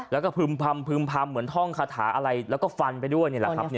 แล้วก็พึ่มพำเหมือนท่องคาถาอะไรแล้วก็ฟันไปด้วยนี่แหละครับ